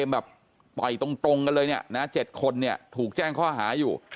แบบต่อยตรงกันเลยเนี่ยนะ๗คนเนี่ยถูกแจ้งข้อหาอยู่